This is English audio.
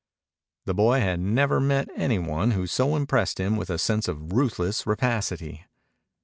The boy had never met any one who so impressed him with a sense of ruthless rapacity.